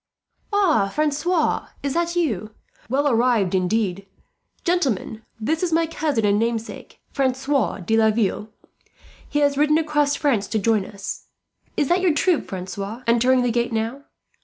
"Ah, Francois, is that you? Well arrived, indeed! "Gentlemen, this is my cousin and namesake, Francois de Laville. He has ridden across France to join us. Is that your troop, Francois, entering the gate now?